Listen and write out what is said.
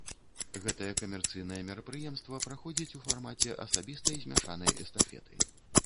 Гэтае камерцыйнае мерапрыемства праходзіць у фармаце асабістай змяшанай эстафеты.